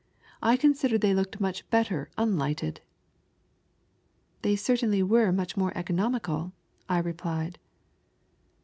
I considered they looked much better on lighted." " They certainly were much more economical," I rephed.